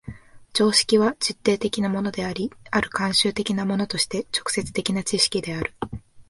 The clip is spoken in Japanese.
常識は実定的なものであり、或る慣習的なものとして直接的な知識である。